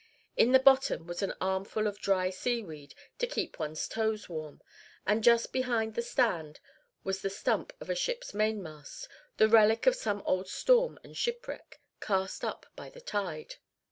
In the bottom was an armful of dry seaweed, to keep one's toes warm, and just behind the stand was the stump of a ship's mainmast, the relic of some old storm and shipwreck, cast up by the tide.